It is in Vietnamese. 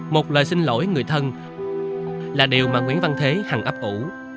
một lời xin lỗi người thân là điều mà nguyễn văn thế hằng ấp ủ